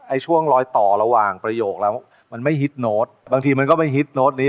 ช่วงลอยต่อระหว่างประโยคแล้วมันไม่ฮิตโน้ตบางทีมันก็ไปฮิตโน้ตนี้